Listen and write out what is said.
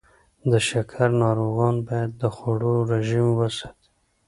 د شکر ناروغان باید د خوړو رژیم وساتي.